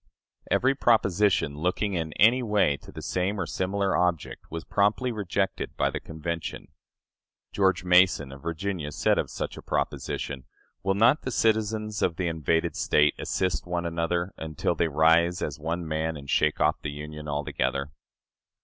" Every proposition looking in any way to the same or a similar object was promptly rejected by the convention. George Mason, of Virginia, said of such a proposition: "Will not the citizens of the invaded State assist one another, until they rise as one man and shake off the Union altogether?"